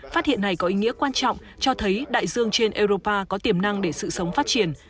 phát hiện này có ý nghĩa quan trọng cho thấy đại dương trên europa có tiềm năng để sự sống phát triển